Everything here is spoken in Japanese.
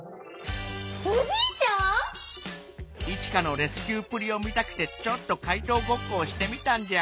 おじいちゃん⁉「イチカのレスキューっぷりを見たくてちょっと怪盗ごっこをしてみたんじゃ」。